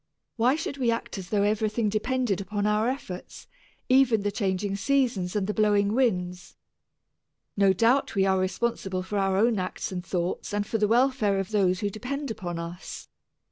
Why should we act as though everything depended upon our efforts, even the changing seasons and the blowing winds? No doubt we are responsible for our own acts and thoughts and for the welfare of those who depend upon us.